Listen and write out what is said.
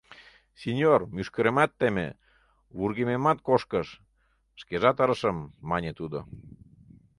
— Синьор, мӱшкыремат теме, вургемемат кошкыш, шкежат ырышым, — мане тудо.